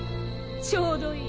ちょうどいい。